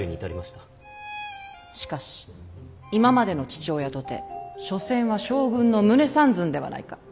しかし今までの父親とて所詮は将軍の胸三寸ではないか。